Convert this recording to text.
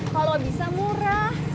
kalau bisa murah